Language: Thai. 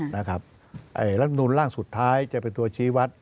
และอันนู้นร่างสุดท้ายจะเป็นตัวชีวัตร